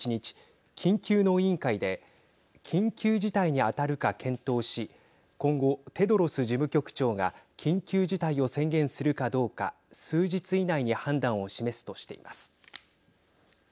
緊急の委員会で緊急事態に当たるか検討し今後、テドロス事務局長が緊急事態を宣言するかどうか数日以内に判断を示すとしています。